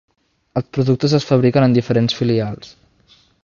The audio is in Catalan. Els productes es fabriquen en diferents filials.